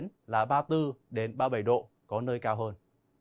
nhiệt độ cao nhất phổ biến là ba mươi bốn ba mươi bảy độ có nơi cao hơn